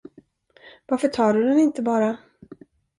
Varför tar du den inte bara?